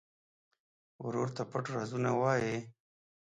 ورور ته پټ رازونه وایې.